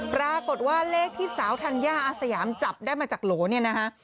ปรากฏว่าเลขที่สาวธัญญาอาสยามจับได้มาจากโหลเนี่ยนะคะ